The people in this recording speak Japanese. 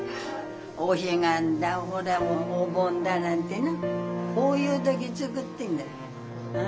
お彼岸だほらお盆だなんてなそういう時作ってんだ。